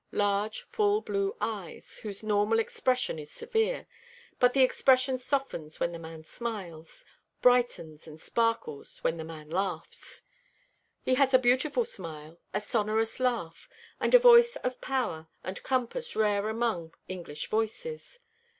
Large, full blue eyes, whose normal expression is severe, but the expression softens when the man smiles, brightens and sparkles when the man laughs. He has a beautiful smile, a sonorous laugh, and a voice of power and compass rare among English voices.